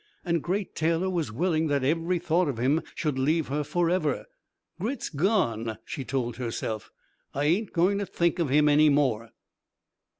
And Great Taylor was willing that every thought of him should leave her forever. "Grit's gone," she told herself. "I ain't going to think of him any more."